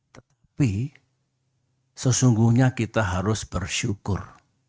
tetapi sesungguhnya kita harus bersyukur